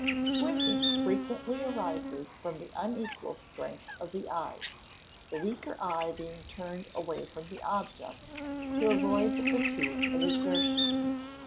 Squinting frequently arises from the unequal strength of the eyes, the weaker eye being turned away from the object, to avoid the fatigue of exertion.